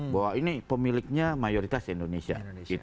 bahwa ini pemiliknya mayoritas indonesia